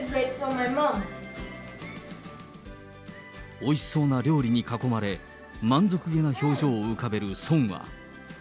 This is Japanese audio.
おいしそうな料理に囲まれ、満足げな表情を浮かべるソンア。